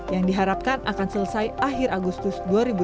yang diharapkan akan selesai akhir agustus dua ribu dua puluh dua